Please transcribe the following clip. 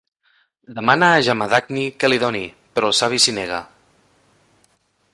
Demana a Jamadagni que li doni, però el savi s'hi nega.